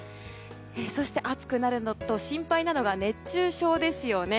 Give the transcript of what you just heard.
そして暑くなるのと、心配なのが熱中症ですよね。